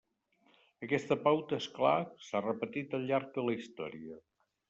Aquesta pauta, és clar, s'ha repetit al llarg de la història.